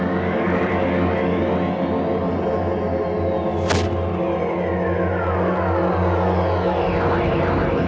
tidak ada yang bisa dikira